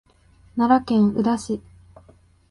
奈良県宇陀市